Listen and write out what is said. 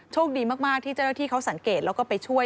โชคดีมากที่เจ้าหน้าที่เขาสังเกตแล้วก็ไปช่วย